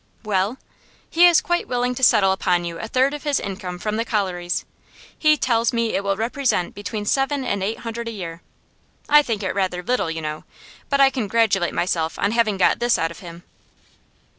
'Well?' 'He is quite willing to settle upon you a third of his income from the collieries; he tells me it will represent between seven and eight hundred a year. I think it rather little, you know; but I congratulate myself on having got this out of him.